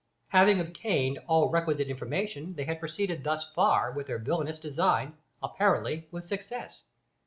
Having obtained all requisite information they had proceeded thus far with their villainous design, apparently with success.